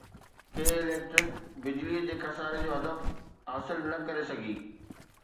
ڪي electric بجلي جي خساري جو هدف حاصل نه ڪري سگهي